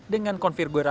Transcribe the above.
dengan konfigurasi mesinnya